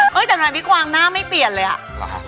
เฮ้ยแต่มันพี่กวางหน้าไม่เปลี่ยนเลยอ่ะ